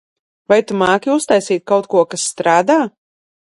Vai tu māki uztaisīt kaut ko kas strādā?